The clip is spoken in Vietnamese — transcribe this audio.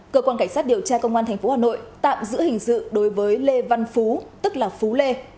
cơ quan cảnh sát điều tra công an tp hà nội tạm giữ hình sự đối với lê văn phú tức là phú lê